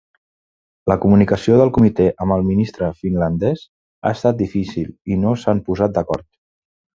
La comunicació del Comité amb el ministre finlandés ha estat difícil i no s'han posat d'acord.